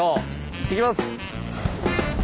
いってきます。